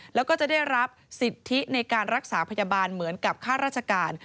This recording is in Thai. แล้วก็จะได้รับสิทธิในการรักษาพยาบาลเหมือนกับค่าราชการ